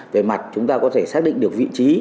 về mặt chúng ta có thể xác định được vị trí